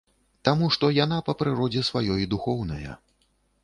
Таму што яна па прыродзе сваёй духоўная.